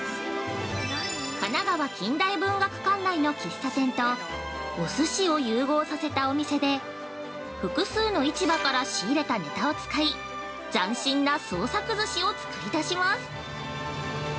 神奈川近代文学館内の喫茶店と、お寿司を融合させたお店で複数の市場から仕入れたネタを使い、斬新な創作寿司をつくり出します。